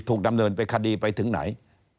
ดำเนินไปคดีไปถึงไหน